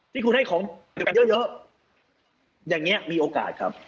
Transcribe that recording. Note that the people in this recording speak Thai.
ที่คุณให้ของกันเยอะอย่างนี้มีโอกาสครับ